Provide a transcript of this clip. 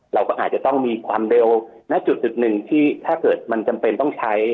เราก็อาจจะต้องมีความเร็วณจุดหนึ่งที่ถ้าเกิดมันจำเป็นต้องใช้